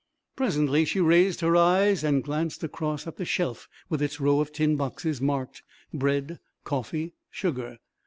Presently she raised her eyes and glanced across at the shelf with its row of tin boxes marked "Bread," "Coffee," "Sugar."